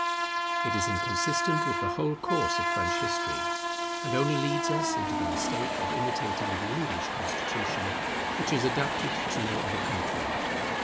It is inconsistent with the whole course of French history; and only leads us into the mistake of imitating the English constitution, which is adapted to no other country.